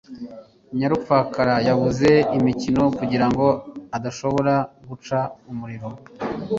Nyararupfakara yabuze imikino kugirango adashobora gucana umuriro.